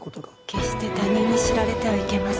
決して他人に知られてはいけません。